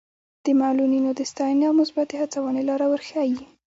د معلولینو د ستاینې او مثبتې هڅونې لاره ورښيي.